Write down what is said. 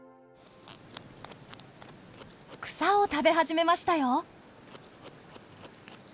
草を食べ始めましたよ。